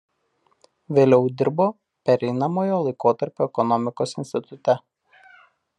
Vėliau dirbo Pereinamojo laikotarpio ekonomikos institute.